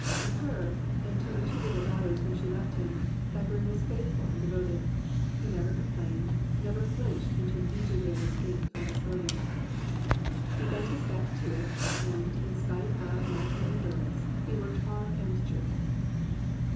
To her, and to the two little daughters whom she left him, Thackeray was faithful and devoted. He never complained, never flinched into an easy way of escape from his burden. He bent his back to it, and, in spite of natural indolence, he worked hard and was cheerful.